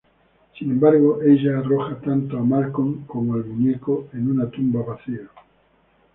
Sin embargo, ella arroja tanto a Malcolm como al muñeco en una tumba vacía.